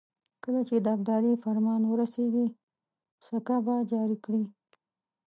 کله چې د ابدالي فرمان ورسېږي سکه به جاري کړي.